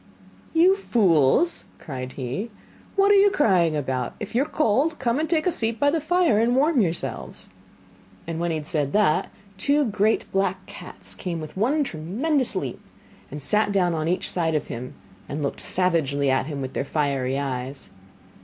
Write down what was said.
'You fools!' cried he, 'what are you crying about? If you are cold, come and take a seat by the fire and warm yourselves.' And when he had said that, two great black cats came with one tremendous leap and sat down on each side of him, and looked savagely at him with their fiery eyes.